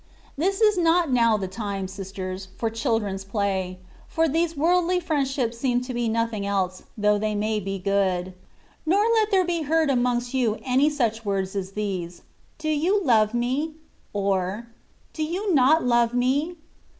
This is not now the time, sisters, for children's play,* (for these worldly fHendships seem to be nothing else, though they may be good) ; nor let there be heard amongst you any such words as these, " Do you love me ?" or, " Do you not love me?''